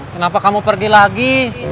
kenapa kamu pergi lagi